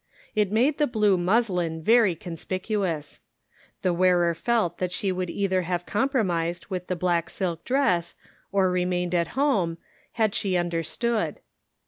It made the blue muslin very conspicuous. The wearer felt that she would either have compromised with the black silk dress, or remained at home, had she un 114 Measuring Brains and Hearts. 115 derstood.